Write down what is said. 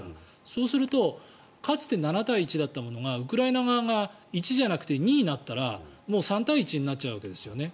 そうするとかつて７対１だったものがウクライナ側が１じゃなくて２になったらもう３対１になっちゃうわけですよね。